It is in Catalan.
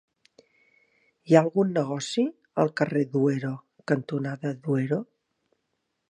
Hi ha algun negoci al carrer Duero cantonada Duero?